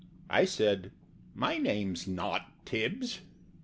I said "My name's not Tibbs."